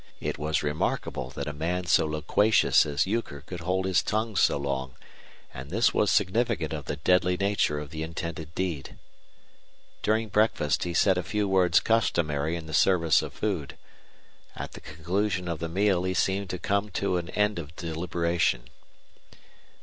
It was remarkable that a man as loquacious as Euchre could hold his tongue so long; and this was significant of the deadly nature of the intended deed. During breakfast he said a few words customary in the service of food. At the conclusion of the meal he seemed to come to an end of deliberation.